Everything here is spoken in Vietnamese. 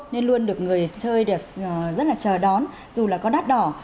nên luôn được người chơi rất là chờ đón dù là có đắt đỏ